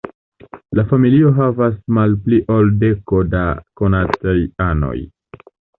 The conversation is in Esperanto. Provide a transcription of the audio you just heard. La familio havas malpli ol deko da konataj anoj.